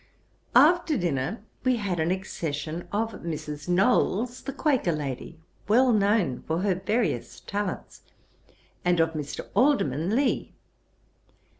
' After dinner we had an accession of Mrs. Knowles, the Quaker lady, well known for her various talents, and of Mr. Alderman Lee.